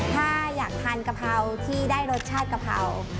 ถ้าอยากทานกะเพราที่ได้รสชาติกะเพรา